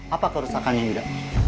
apa kerusakannya yuda